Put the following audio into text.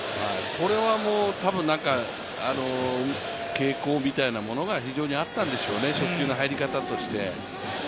これはたぶん、傾向みたいなものが非常にあったんでしょうね、初球の入り方として。